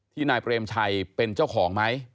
นายเปรมชัยเป็นเจ้าของไหม